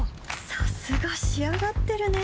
さすが仕上がってるね